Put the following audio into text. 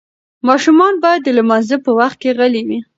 ماشومان باید د لمانځه په وخت کې غلي وي.